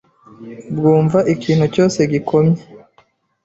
bwumva ikintu cyose gikomye,